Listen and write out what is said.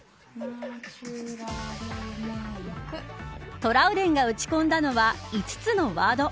トラウデンが打ち込んだのは５つのワード。